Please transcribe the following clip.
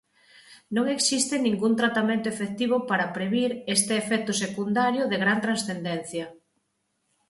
Non existe ningún tratamento efectivo para previr este efecto secundario de gran transcendencia.